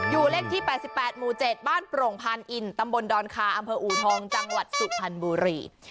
เลขที่๘๘หมู่๗บ้านโปร่งพานอินตำบลดอนคาอำเภออูทองจังหวัดสุพรรณบุรี